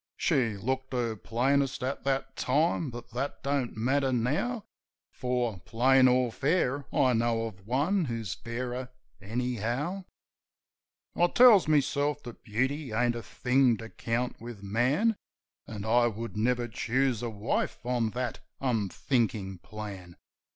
She looked her plainest at that time; but that don't matter now; For, plain or fair, I know of one who's fairer, anyhow. I tells meself that beauty ain't a thing to count with man. An' I would never choose a wife on that unthinkin' plan.